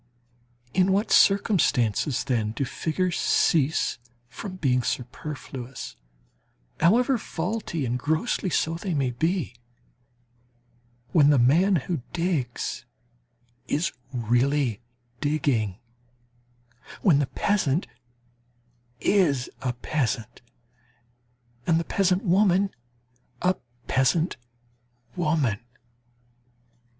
In what circumstances, then, do figures cease from being superfluous, however faulty, and grossly so, they may be? When the man who digs is really digging, when the peasant is a peasant, and the peasant woman a peasant woman.